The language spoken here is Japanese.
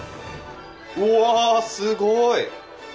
うわすごい！